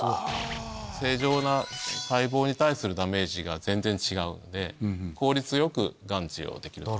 正常な細胞に対するダメージが全然違うので効率よくガンを治療できると。